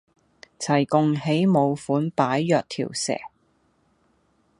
齊共起舞款擺若條蛇